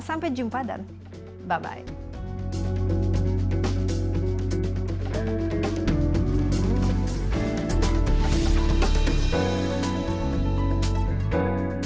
sampai jumpa dan bye